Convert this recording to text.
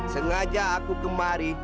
sengaja aku kemari